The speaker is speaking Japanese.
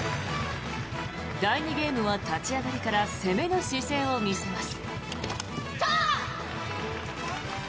第２ゲームは立ち上がりから攻めの姿勢を見せます。